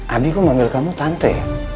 abi kok manggil kamu tante